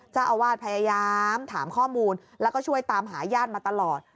เจ้าอาวาสพยายามถามข้อมูลแล้วก็ช่วยตามหาญาติมาตลอด